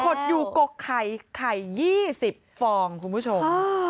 ดอยู่กกไข่ไข่๒๐ฟองคุณผู้ชม